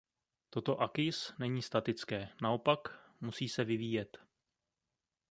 Toto acquis není statické, naopak, musí se vyvíjet.